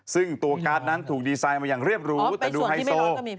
ซึ่งตัวการ์ดนั้นถูกดีไซน์มาอย่างเรียบรู้แต่ดูไฮโซ